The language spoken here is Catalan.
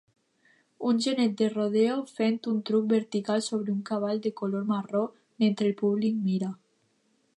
Un genet de rodeo fent un truc vertical sobre un cavall de color marró mentre el públic mira